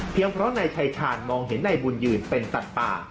เพราะนายชายชาญมองเห็นนายบุญยืนเป็นสัตว์ป่า